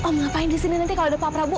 om ngapain disini nanti kalau ada pak prabu